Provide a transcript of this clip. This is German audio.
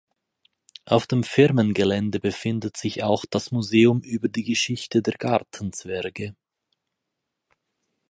Auf dem Firmengelände befindet sich auch das Museum über die Geschichte der Gartenzwerge.